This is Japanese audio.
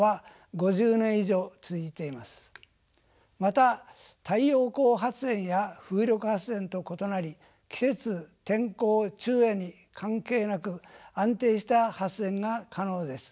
また太陽光発電や風力発電と異なり季節天候昼夜に関係なく安定した発電が可能です。